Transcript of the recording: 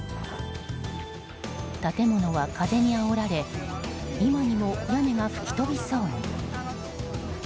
建物は風にあおられ今にも屋根が吹き飛びそうに。